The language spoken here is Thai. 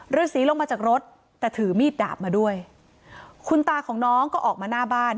ฤษีลงมาจากรถแต่ถือมีดดาบมาด้วยคุณตาของน้องก็ออกมาหน้าบ้าน